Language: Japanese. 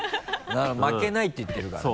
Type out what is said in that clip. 「負けない」って言ってるからね。